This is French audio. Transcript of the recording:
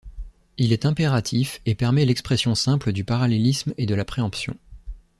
Il est impératif et permet l'expression simple du parallélisme et de la préemption.